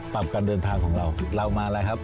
การเดินทางของเราเรามาอะไรครับ